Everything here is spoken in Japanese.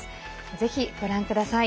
ぜひ、ご覧ください。